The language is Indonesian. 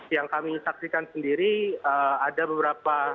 yang kami saksikan sendiri ada beberapa